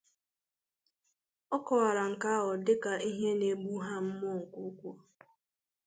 O kọwara nke ahụ dịka ihe na-egbu ha mmụọ nke ukwuu